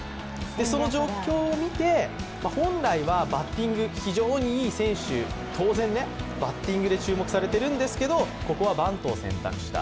その状況を見て、本来はバッティング、非常にいい選手、当然、バッティングで注目されているんですけれども、ここはバントを選択した。